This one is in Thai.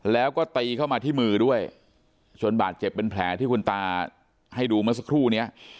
แล้วก็ตีเข้ามาที่มือด้วยจนบาดเจ็บเป็นแผลที่คุณตาให้ดูเมื่อสักครู่นี้